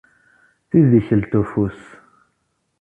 Tidikelt ufus.